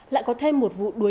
lại có thêm một vụ